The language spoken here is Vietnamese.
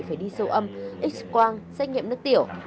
phải đi sâu âm x quang xét nghiệm nước tiểu